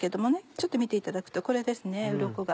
ちょっと見ていただくとこれですねうろこが。